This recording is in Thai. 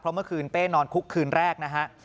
เมื่อคืนเป้นอนคุกคืนแรกนะฮะ